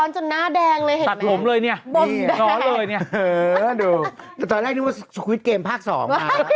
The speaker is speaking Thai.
จะพูดหลายวันแล้วใหง